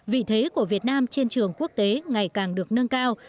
vị thế của việt nam trên trường quốc tế ngày càng được nâng cao